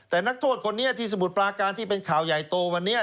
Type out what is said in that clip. แต่นักโทษคนนี้ที่สมุทรปลาการที่เป็นข่าวใหญ่โตวันนี้